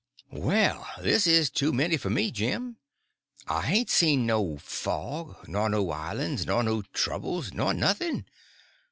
"Well, this is too many for me, Jim. I hain't seen no fog, nor no islands, nor no troubles, nor nothing.